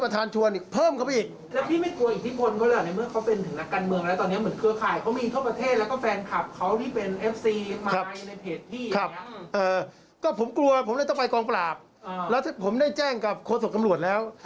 ครับเออก็ผมกลัวผมต้องไปกองปรากแล้วทุกผมได้แจ้งกับโคสอสตร์กำรวจแล้ว